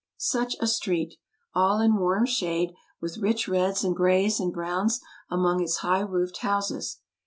Such a street! all in warm shade, with rich reds and grays and browns among its high roofed houses.